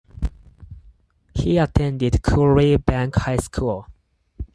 He attended Quarry Bank High School.